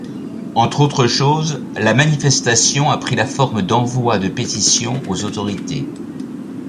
Entre autres choses, la manifestation a pris la forme d'envoi de pétitions aux autorités.